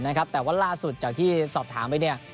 นะครับว่าวันล่าสุดจากที่สอบถามไว้เนี่ย